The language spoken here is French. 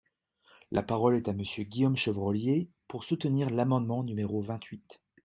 La parole est à Monsieur Guillaume Chevrollier, pour soutenir l’amendement numéro vingt-huit.